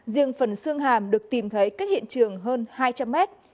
riêng phần xương hàm được tìm thấy cách hiện trường hơn hai trăm linh mét